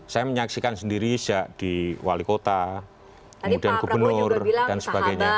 saya menyaksikan sendiri sejak di wali kota kemudian gubernur dan sebagainya